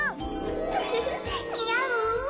ウフフにあう？